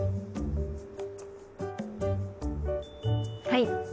はい。